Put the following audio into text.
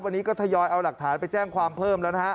วันนี้ก็ทยอยเอาหลักฐานไปแจ้งความเพิ่มแล้วนะฮะ